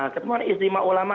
ketemuannya ijtima ulama